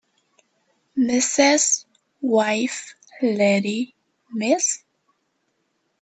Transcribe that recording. Mrs. wife lady Miss